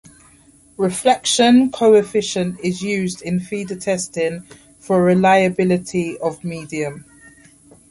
Reflection coefficient is used in feeder testing for reliability of medium.